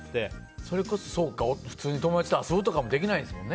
それこそ普通に友達と遊ぶとかもできないですもんね。